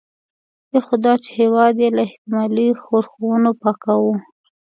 یو خو دا چې هېواد یې له احتمالي ښورښونو پاکاوه.